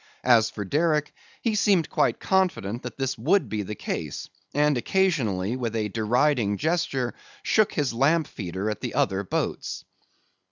As for Derick, he seemed quite confident that this would be the case, and occasionally with a deriding gesture shook his lamp feeder at the other boats.